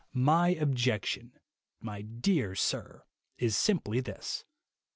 My objection, my dear sir, is simply this.